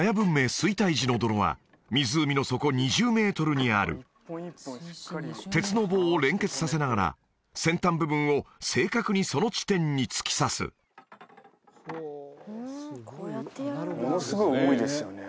衰退時の泥は湖の底２０メートルにある鉄の棒を連結させながら先端部分を正確にその地点に突き刺すものすごい重いですよね